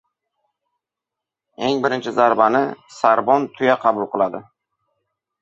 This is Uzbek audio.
• Eng birinchi zarbani sarbon tuya qabul qiladi.